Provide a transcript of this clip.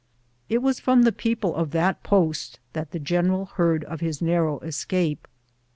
It was from the people of that post that the general heard of his narrow escape.